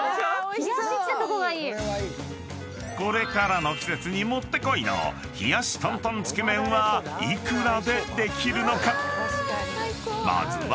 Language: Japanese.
［これからの季節にもってこいの冷やし担々つけ麺は幾らでできるのか？］